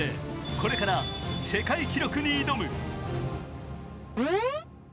これから世界記録に挑む。